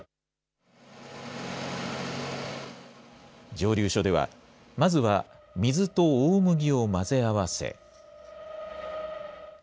蒸留所では、まずは、水と大麦を混ぜ合わせ。